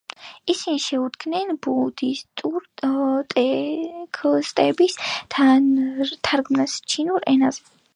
ისინი შეუდგნენ ბუდისტური ტექსტების თარგმნას ჩინურ ენაზე.